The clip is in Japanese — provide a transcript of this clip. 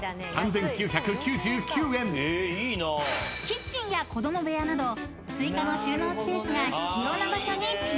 ［キッチンや子供部屋など追加の収納スペースが必要な場所にぴったり］